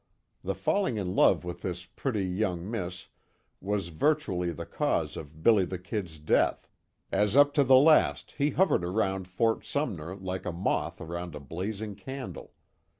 The falling in love with this pretty, young miss, was virtually the cause of "Billy the Kid's" death, as up to the last he hovered around Fort Sumner like a moth around a blazing candle.